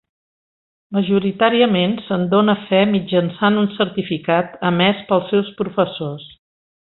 Majoritàriament, se'n dóna fe mitjançant un certificat emès pels seus professors.